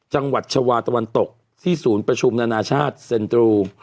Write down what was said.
จังหวัดชาวาตะวันตกที่ศูนย์ประชุมนานาชาติเซ็นตรู